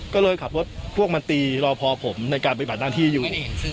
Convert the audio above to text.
ก็เลยขับรถพวกมันตีรอพอผมในการไปหักไม้ที่อยู่